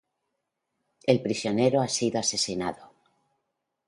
El prisionero ha sido asesinado.